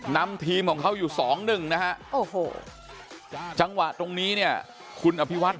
นำทีมของเขาอยู่สองหนึ่งนะฮะโอ้โหจังหวะตรงนี้เนี่ยคุณอภิวัต